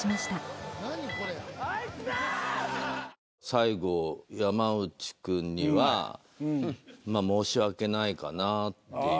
最後山内くんにはまあ申し訳ないかなっていう。